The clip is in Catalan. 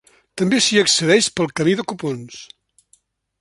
També s'hi accedeix pel Camí de Copons.